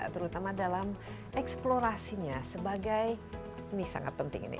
terutama dalam eksplorasinya sebagai ini sangat penting ini